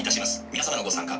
皆様のご参加